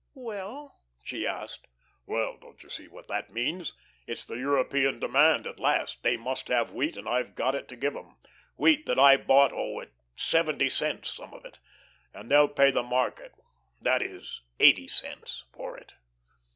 "Well?" she asked. "Well, don't you see what that means? It's the 'European demand' at last. They must have wheat, and I've got it to give 'em wheat that I bought, oh! at seventy cents, some of it, and they'll pay the market that is, eighty cents, for it.